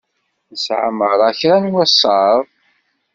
Nesεa merra kra n wasaḍ.